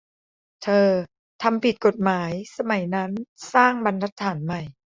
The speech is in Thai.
เธอ "ทำผิดกฎหมาย" สมัยนั้น -สร้างบรรทัดฐานใหม่